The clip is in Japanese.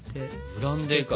ブランデーか。